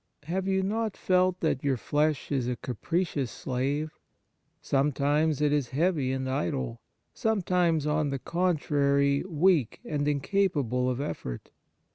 Have you not felt that your flesh is a capricious slave ? Sometimes it is heavy and idle, sometimes, on the contrary, weak and incapable of •effort.